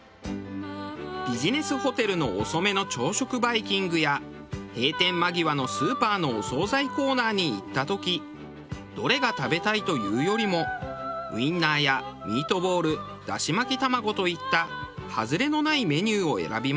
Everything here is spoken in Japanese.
ビジネスホテルの遅めの朝食バイキングや閉店間際のスーパーのお総菜コーナーに行った時どれが食べたいというよりもウィンナーやミートボールだし巻き玉子といったハズレのないメニューを選びます。